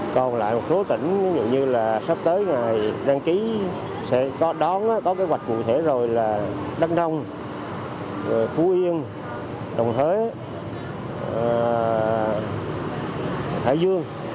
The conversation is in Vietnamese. còn lại một số tỉnh như là sắp tới ngày đăng ký sẽ có đón có kế hoạch cụ thể rồi là đắk nông phú yên đồng thới hải dương